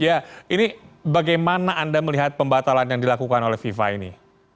ya ini bagaimana anda melihat pembatalan yang dilakukan oleh fifa ini